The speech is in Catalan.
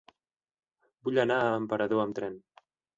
Vull anar a Emperador amb tren.